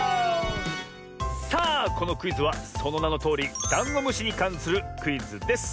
さあこのクイズはそのなのとおりダンゴムシにかんするクイズです。